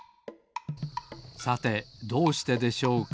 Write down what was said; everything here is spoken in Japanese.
さてどうしてでしょうか？